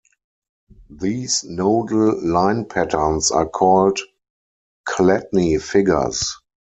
These nodal line patterns are called Chladni figures.